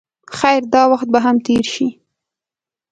خیر دا وخت به هم تېر شي.